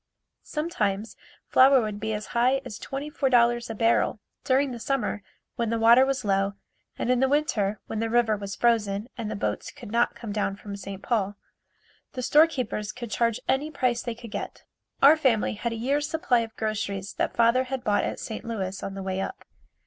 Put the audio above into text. Sometimes flour would be as high as $24 a barrel. During the summer when the water was low and in the winter when the river was frozen and the boats could not come down from St. Paul, the storekeepers could charge any price they could get. Our family had a year's supply of groceries that father had bought at St. Louis on the way up.